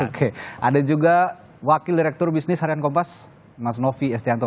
oke ada juga wakil direktur bisnis harian kompas mas novi estianto